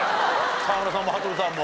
沢村さんも羽鳥さんも。